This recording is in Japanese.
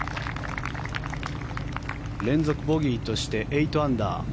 連続ボギーとして８アンダー。